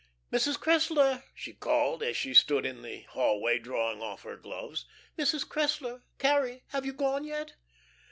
"Mrs. Cressler!" she called, as she stood in the hallway drawing off her gloves. "Mrs. Cressler! Carrie, have you gone yet?"